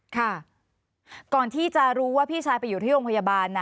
ค่ะก่อนที่จะรู้ว่าพี่ชายไปอยู่ที่โรงพยาบาล